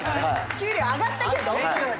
給料上がったけど⁉